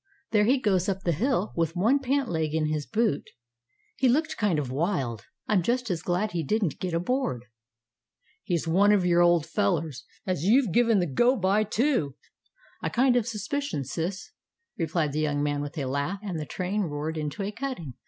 There he goes up the hill, with one pant leg in his boot. He looked kind of wild. I'm just as glad he didn't get aboard!" "He's one of your old fellers as you've give the go by to, I kind of suspicion, Sis," replied the young man with a laugh. And the train roared into a cutting.